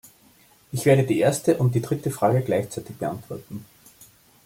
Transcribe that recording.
Ich werde die erste und die dritte Frage gleichzeitig beantworten.